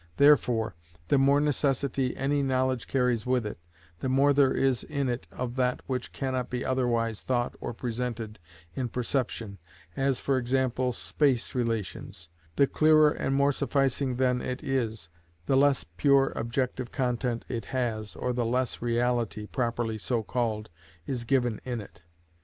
Therefore the more necessity any knowledge carries with it, the more there is in it of that which cannot be otherwise thought or presented in perception—as, for example, space relations—the clearer and more sufficing then it is, the less pure objective content it has, or the less reality, properly so called, is given in it.